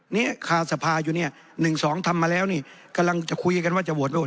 เนี่ยคาสภาอยู่เนี่ย๑๒ทำมาแล้วนี่กำลังจะคุยกันว่าจะโหวตโน